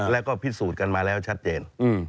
แล้วก็พิสูจน์กันมาแล้วชัดเจน